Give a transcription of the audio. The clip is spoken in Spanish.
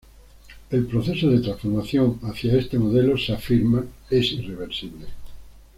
El proceso de transformación hacia este modelo –se afirma– es irreversible.